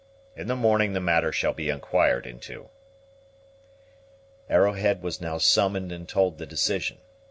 In the morning the matter shall be inquired into." Arrowhead was now summoned and told the decision.